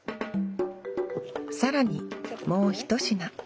更にもうひと品。